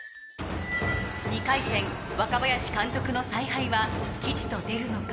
２回戦若林監督の采配は吉と出るのか？